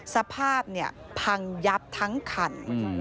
สภาพเนี่ยพังยับทั้งคัน